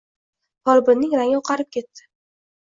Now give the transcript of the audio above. Folbinning rangi oqarib ketdi